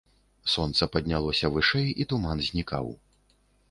Сонца паднялося вышэй, і туман знікаў.